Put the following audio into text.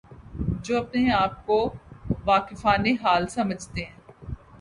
جو اپنے آپ کو واقفان حال سمجھتے ہیں۔